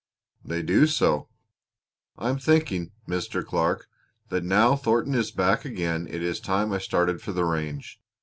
"They do so. I'm thinking, Mr. Clark, that now Thornton is back again it is time I started for the range.